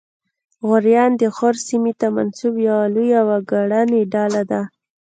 غوریان د غور سیمې ته منسوب یوه لویه وګړنۍ ډله ده